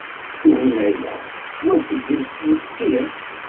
Tugna-a yettwassagel yetti.